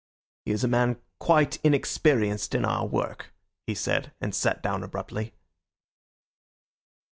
"He is a man quite inexperienced in our work," he said, and sat down abruptly.